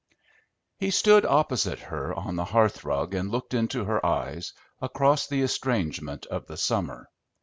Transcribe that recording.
He stood opposite her on the hearth rug and looked into her eyes, across the estrangement of the summer.